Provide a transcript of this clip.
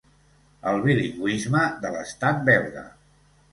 El bilingüisme de l'estat belga.